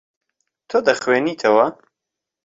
تۆ دەخوێنیتەوە.